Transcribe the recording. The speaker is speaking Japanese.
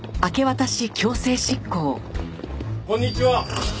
こんにちは。